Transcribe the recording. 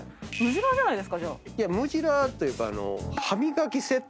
いやムジラーというか。